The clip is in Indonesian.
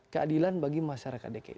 keadilan bagi masyarakat dki